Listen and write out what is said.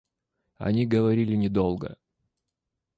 Они говорили недолго.